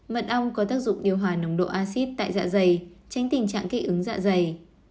mật ong có tác dụng điều hòa nồng độ acid tại dạ dày tránh tình trạng kích ứng dạ dày